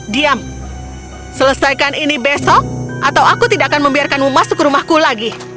diam selesaikan ini besok atau aku tidak akan membiarkanmu masuk ke rumahku lagi